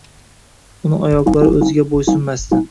Uni oyoqlari o‘ziga bo‘ysunmasdi.